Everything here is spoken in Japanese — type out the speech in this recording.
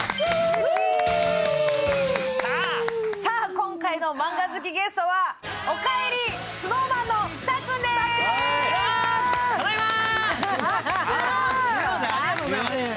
今回のマンガ好きゲストは、おかえり、ＳｎｏｗＭａｎのさっくんですただいまー！